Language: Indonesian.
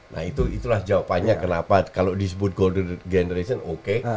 nah itulah jawabannya kenapa kalau disebut golden generation oke